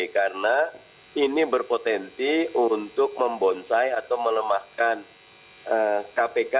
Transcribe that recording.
karena ini berpotensi untuk membonsai atau melemahkan kpk